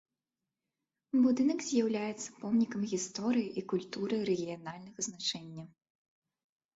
Будынак з'яўляецца помнікам гісторыі і культуры рэгіянальнага значэння.